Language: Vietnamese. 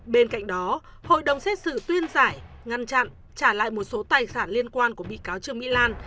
bên cạnh đó hội đồng xét xử tuyên giải ngăn chặn trả lại một số tài sản liên quan của bị cáo trương mỹ lan